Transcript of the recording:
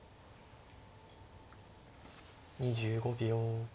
２５秒。